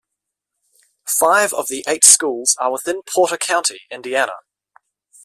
Five of the eight schools are within Porter County, Indiana.